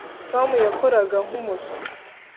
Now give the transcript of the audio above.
tom yakoraga nk'umuswa